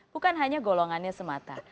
bukan hanya golongannya semata